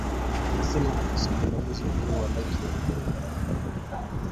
amesema afisa mwandamizi wa benki kuu ya Uganda, Ijumaa